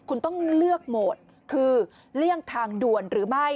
คุณต้องเลือกโหมดคือเลี่ยงทางด่วนหรือไม่